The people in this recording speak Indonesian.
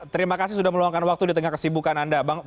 terima kasih sudah meluangkan waktu di tengah kesibukan anda